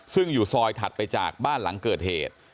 ซึ่งอยู่ซอยถัดไปจากบ้านหลังเกิดเหตุ